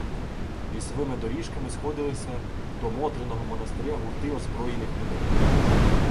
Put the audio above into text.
Лісовими доріжками сходилися до Мотриного монастиря гурти озброєних людей.